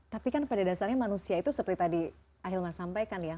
tapi kan pada dasarnya manusia itu seperti tadi ahilman sampaikan ya